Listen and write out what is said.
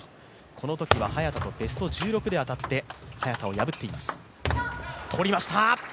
このときは早田とベスト１６で当たって早田を破っています。